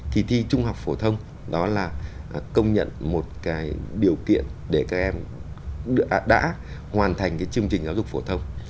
kỳ thi trung học phổ thông đó là công nhận một điều kiện để các em đã hoàn thành chương trình giáo dục phổ thông